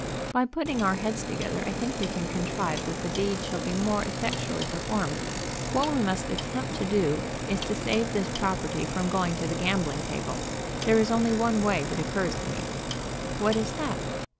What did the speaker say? "By putting our heads together I think we can contrive that the deed shall be more effectually performed. What we must attempt to do is to save this property from going to the gambling table. There is only one way that occurs to me." "What is that?"